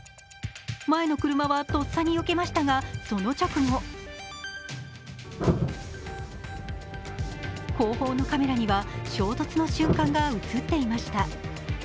前の車はとっさによけましたが、その直後後方のカメラには、衝突の瞬間が映っていました。